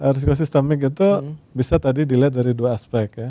risiko sistemik itu bisa tadi dilihat dari dua aspek ya